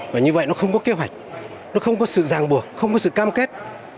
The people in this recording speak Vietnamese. và như vậy nó không có kế hoạch nó không có sự ràng buộc không có sự cam kết